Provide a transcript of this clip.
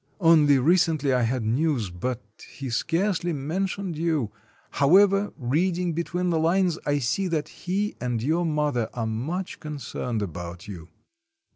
"Only recently I had news, but he scarcely mentions you; however, reading between the lines, I see that he and your mother are much concerned about you."